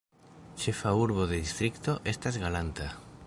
Ĉefa urbo de distrikto estas Galanta.